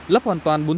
lấp hoàn toàn